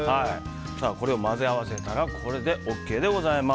これを混ぜ合わせたらこれでＯＫでございます。